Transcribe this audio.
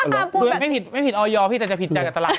อ๋อเหรอไม่ผิดไม่ผิดออยอร์พี่แต่จะผิดแจกับตลาด